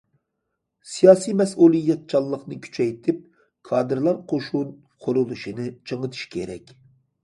سىياسىي مەسئۇلىيەتچانلىقنى كۈچەيتىپ، كادىرلار قوشۇن قۇرۇلۇشىنى چىڭىتىش كېرەك.